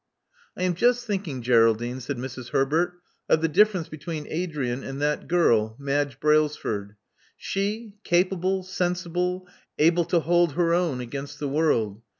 I am just thinking, Geraldine," said Mrs. Herbert, of the difference between Adrian and that girl — Madge Brailsford. She, capable, sensible, able to hold her own against the world.